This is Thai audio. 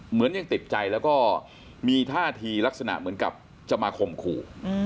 เหมือนยังติดใจมีท่าทีลักษณะเหมือนกับจมคมขู่